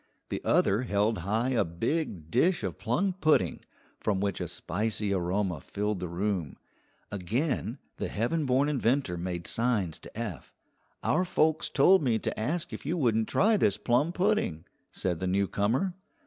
The other held high a big dish of plum pudding, from which a spicy aroma filled the room. Again the heaven born inventor made signs to Eph. "Our folks told me to ask if you wouldn't try this plum pudding," said the newcomer.